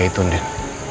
gak itu din